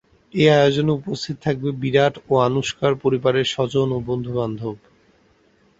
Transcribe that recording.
এ আয়োজনে উপস্থিত থাকবে বিরাট ও আনুশকার পরিবারের স্বজন ও বন্ধু বান্ধব।